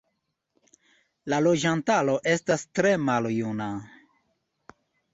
La loĝantaro estas tre maljuna.